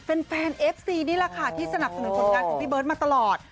แฟนเอฟซีนี่แหละค่ะที่สนับสนุนผลงานของพี่เบิร์ตมาตลอด